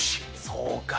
そうか。